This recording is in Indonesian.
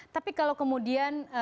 tapi kalau kemudian